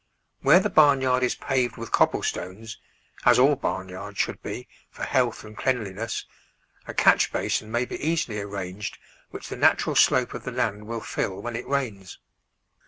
Where the barn yard is paved with cobble stones — as all barn yards should be, for health and cleanliness — a catch basin may be easily arranged which the natural slope of the land will fill when it rains.